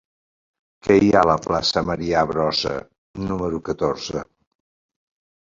Què hi ha a la plaça de Marià Brossa número catorze?